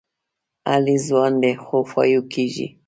علي ځوان دی، خو قابو کېږي.